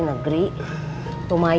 engkau hampir sampai brazilian